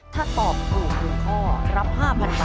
ถ้าตอบถูก๑ข้อรับ๕๐๐บาท